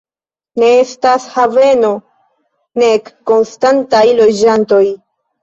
Ne estas haveno, nek konstantaj loĝantoj.